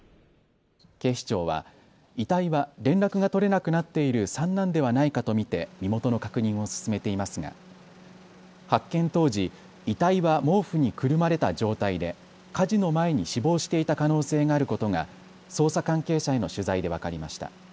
警視庁は遺体は連絡が取れなくなっている三男ではないかと見て身元の確認を進めていますが発見当時、遺体は毛布にくるまれた状態で火事の前に死亡していた可能性があることが捜査関係者への取材で分かりました。